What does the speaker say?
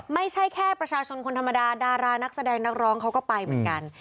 ไม่ใช่แค่ประชาชนคนธรรมดาดารานักแสดงนักร้องเขาก็ไปเหมือนกัน